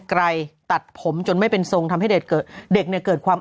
ไกลตัดผมจนไม่เป็นทรงทำให้เด็กเกิดเด็กเนี่ยเกิดความ